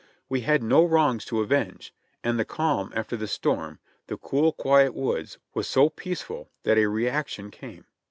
We had no wrongs to avenge, and the calm after the storm, the cool, quiet woods was so peace ful that a reaction came.